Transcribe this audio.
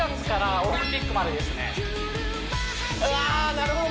なるほど！